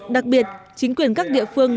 đặc biệt chính quyền các địa phương